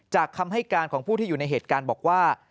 คำให้การของผู้ที่อยู่ในเหตุการณ์บอกว่า